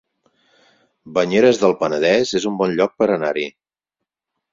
Banyeres del Penedès es un bon lloc per anar-hi